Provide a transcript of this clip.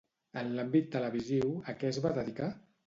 En l'àmbit televisiu, a què es va dedicar?